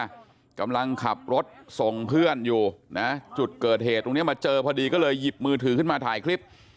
กำลังขับรถส่งเพื่อนอยู่นะจุดเกิดเหตุตรงนี้มาเจอพอดีก็เลยหยิบมือถือขึ้นมาถ่ายคลิป